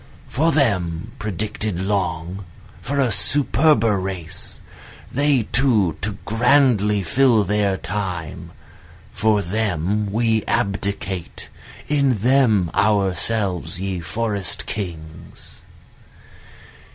For them predicted long, For a superber race, they too to grandly fill their time, For them we abdicate, in them ourselves ye forest kings.